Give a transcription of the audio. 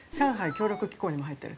協力機構にも入っている。